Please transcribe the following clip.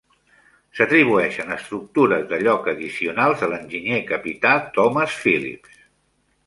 S'atribueixen estructures de lloc addicionals a l'enginyer, capità Thomas Philips.